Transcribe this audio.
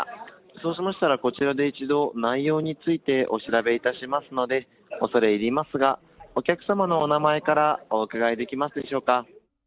そうしましたら、こちらで一度、内容についてお調べいたしますので、恐れ入りますが、お客様のお名前からお伺いできますでしょうか。